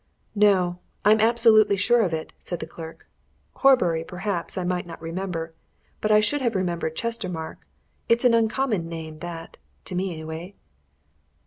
"No I'm absolutely sure of it," said the clerk. "Horbury, perhaps, I might not remember, but I should have remembered Chestermarke it's an uncommon name, that to me, anyway."